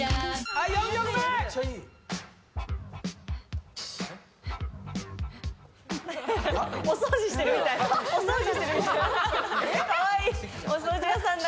はい４曲目かわいいお掃除屋さんだ